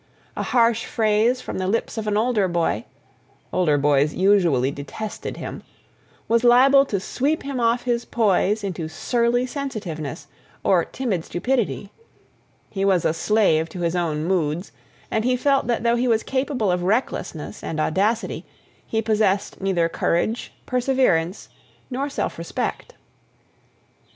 a harsh phrase from the lips of an older boy (older boys usually detested him) was liable to sweep him off his poise into surly sensitiveness, or timid stupidity... he was a slave to his own moods and he felt that though he was capable of recklessness and audacity, he possessed neither courage, perseverance, nor self respect.